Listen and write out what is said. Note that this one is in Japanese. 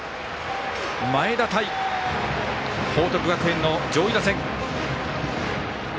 前田対報徳学園の上位打線。